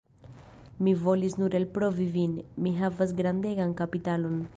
Mi volis nur elprovi vin, mi havas grandegan kapitalon!